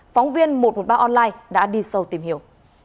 phóng viên một trăm một mươi ba online đã đi sâu tìm hiểu